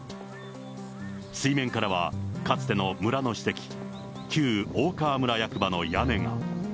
水面からは、かつての村の史跡、旧大川村役場の屋根が。